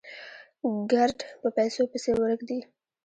ګړد په پيسو پسې ورک دي